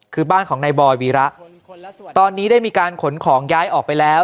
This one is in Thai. คือบ้านของนายบอยวีระตอนนี้ได้มีการขนของย้ายออกไปแล้ว